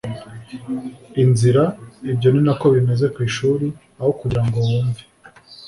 inzira ibyo ni na ko bimeze ku ishuri aho kugira ngo wumve